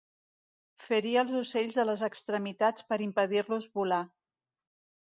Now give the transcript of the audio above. Ferir els ocells de les extremitats per impedir-los volar.